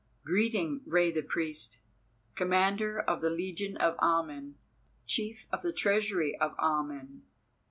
"Greeting, Rei the Priest, Commander of the Legion of Amen, Chief of the Treasury of Amen."